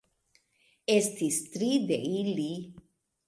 Estis tri de ili.